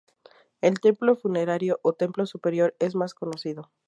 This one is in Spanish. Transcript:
El templo funerario o templo superior es más conocido.